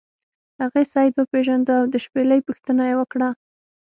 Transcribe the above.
هغې سید وپیژنده او د شپیلۍ پوښتنه یې وکړه.